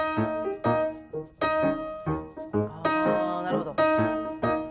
あなるほど。